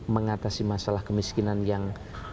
mengatasi masalah kemiskinan yang